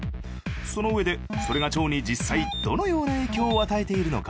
そのうえでそれが腸に実際どのような影響を与えているのか。